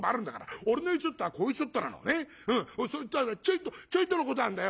ちょいとちょいとのことなんだよ。